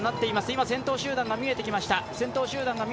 今、先頭集団が見えてきました。